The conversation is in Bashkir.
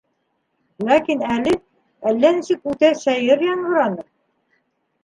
Ләкин әле әллә нисек үтә сәйер яңғыраны.